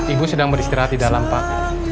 ibu sedang beristirahat di dalam pak